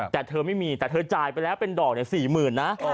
แต่เธอไม่มีแต่เธอจ่ายไปแล้วเป็นดอก๔๐๐๐นะ